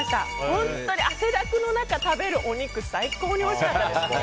本当に汗だくの中、食べるお肉最高においしかったです！